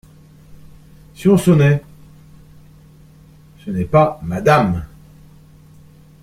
Si on sonnait … ce n'est pas MADAME.